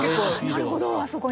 ああなるほどあそこに。